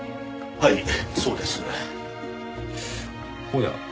はいそうです。おや？